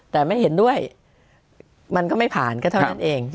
แต่ไม่เห็นด้วยมันก็ไม่ผ่านก็เท่านั้นเอง